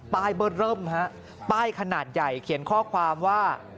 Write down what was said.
เบอร์เริ่มฮะป้ายขนาดใหญ่เขียนข้อความว่า